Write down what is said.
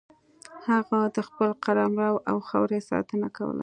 هغه د خپل قلمرو او خاورې ساتنه کوله.